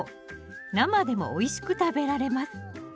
生でもおいしく食べられます。